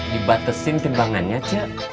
dibatasin timbangannya cek